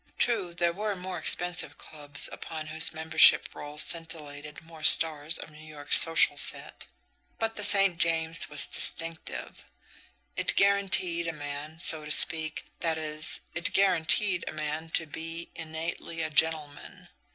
True, there were more expensive clubs upon whose membership roll scintillated more stars of New York's social set, but the St. James was distinctive. It guaranteed a man, so to speak that is, it guaranteed a man to be innately a gentleman.